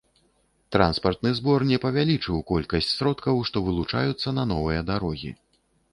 Транспартны збор не павялічыў колькасць сродкаў, што вылучаюцца на новыя дарогі.